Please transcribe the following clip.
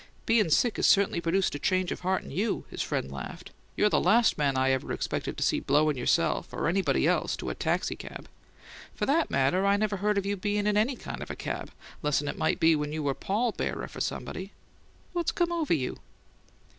"Bein' sick has certainly produced a change of heart in you," his friend laughed. "You're the last man I ever expected to see blowin' yourself or anybody else to a taxicab! For that matter, I never heard of you bein' in ANY kind of a cab, 'less'n it might be when you been pall bearer for somebody. What's come over you?"